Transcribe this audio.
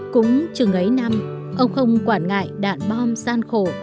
cũng chừng ấy năm ông không quản ngại đạn bom gian khổ